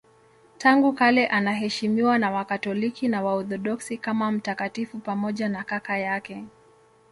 Tangu kale anaheshimiwa na Wakatoliki na Waorthodoksi kama mtakatifu pamoja na kaka yake.